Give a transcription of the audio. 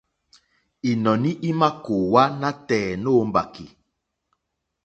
Ínɔ̀ní ímà kòówá nátɛ̀ɛ̀ nǒ mbàkì.